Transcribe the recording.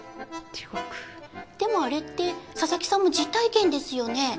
でもあれってささきさんの実体験ですよね？